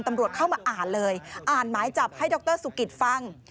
ตำรวจเข้ามาอ่านเลยอ่านหมายจับให้ดรสุกิตฟัง